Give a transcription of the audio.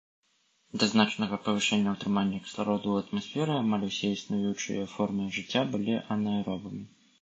Да значнага павышэння ўтрымання кіслароду ў атмасферы амаль усе існуючыя формы жыцця былі анаэробамі.